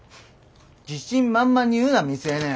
自信満々に言うな未成年。